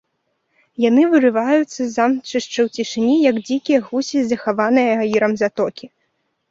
Яны вырываюцца з замчышчаў цішыні, як дзікія гусі з захаванай аірам затокі.